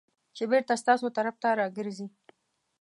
چې بېرته ستاسو طرف ته راګرځي .